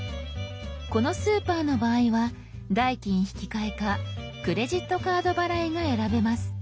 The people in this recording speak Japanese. このスーパーの場合は代金引換かクレジットカード払いが選べます。